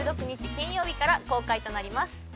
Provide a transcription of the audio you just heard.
金曜日から公開となります。